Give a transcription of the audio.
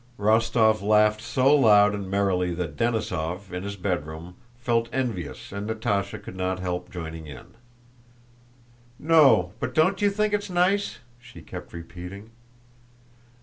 Rostóv laughed so loud and merrily that Denísov, in his bedroom, felt envious and Natásha could not help joining in. "No, but don't you think it's nice?" she kept repeating.